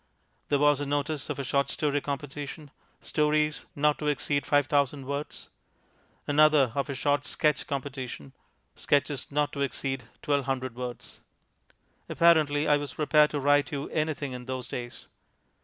There was a notice of a short story competition, stories not to exceed 5000 words; another of a short sketch competition, sketches not to exceed 1200 words. Apparently I was prepared to write you anything in those days.